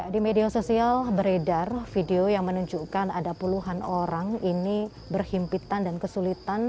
di media sosial beredar video yang menunjukkan ada puluhan orang ini berhimpitan dan kesulitan